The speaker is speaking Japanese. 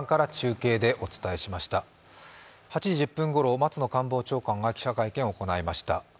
８時１０分ごろ、松野官房長官が記者会見を行いました。